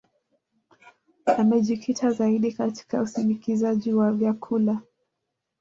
Amejikita zaidi katika usindikaji wa vyakula